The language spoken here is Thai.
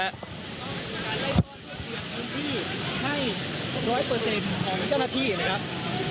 ให้ร้อยเปอร์เซ็นต์ของเจ้าหน้าที่นะครับ